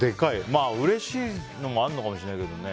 まあ、うれしいのもあるのかもしれないけどね。